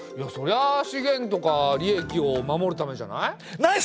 そりゃ資源とか利益を守るためじゃない？